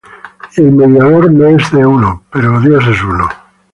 Y el mediador no es de uno, pero Dios es uno.